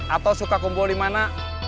atau suka kumpul dimana